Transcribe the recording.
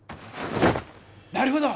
なるほど！